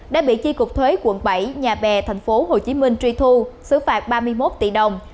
đã bị chi cục thuế quận bảy nhà bè tp hcm truy thu xử phạt ba mươi một tỷ đồng